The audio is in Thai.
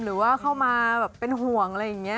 หรือว่าเข้ามาแบบเป็นห่วงอะไรอย่างนี้